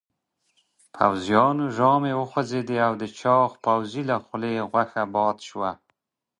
پوځيانو ژامې وخوځېدې او د چاغ پوځي له خولې غوښه باد شوه.